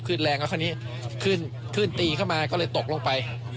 ขึ้นแรงแล้วคนนี้ขึ้นตีเข้ามาก็เลยตกลงไป